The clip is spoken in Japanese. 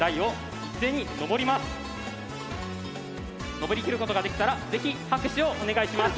上りきることができたらぜひ拍手をお願いします。